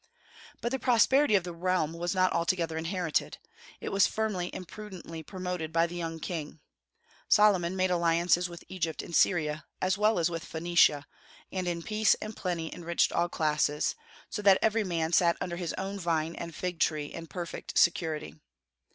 But the prosperity of the realm was not altogether inherited; it was firmly and prudently promoted by the young king. Solomon made alliances with Egypt and Syria, as well as with Phoenicia, and peace and plenty enriched all classes, so that every man sat under his own vine and fig tree in perfect security.